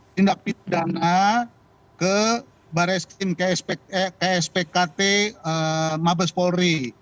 tindak pidana ke barisim kspkt mabes polri